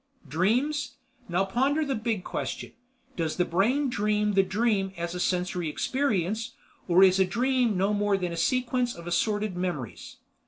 Dreams? Now ponder the big question. Does the brain dream the dream as a sensory experience—or is a dream no more than a sequence of assorted memories?